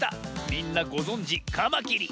みんなごぞんじカマキリ！